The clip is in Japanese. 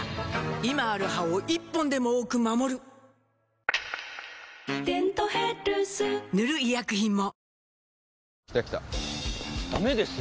今ある歯を１本でも多く守る「デントヘルス」塗る医薬品も